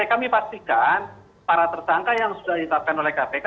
kami pastikan para tersangka yang sudah ditetapkan oleh kpk